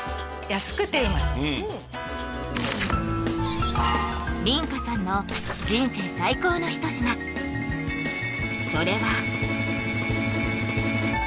安くてうまい梨花さんの人生最高の一品それは？